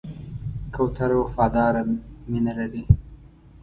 کوتره وفاداره مینه لري.